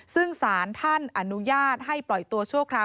ซึ่งสารท่านอนุญาตให้ปล่อยตัวชั่วคราว